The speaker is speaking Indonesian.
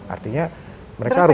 artinya mereka harus